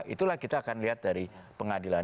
itulah kita akan lihat dari pengadilan